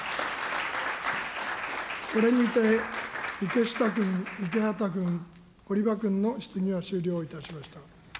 これにて池下君、池畑君、堀場君の質疑は終了いたしました。